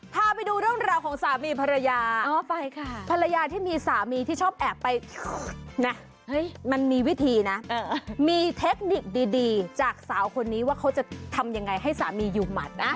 พาไปดูเรื่องราวของสามีภรรยาภรรยาที่มีสามีที่ชอบแอบไปนะมันมีวิธีนะมีเทคนิคดีจากสาวคนนี้ว่าเขาจะทำยังไงให้สามีอยู่หมัดนะ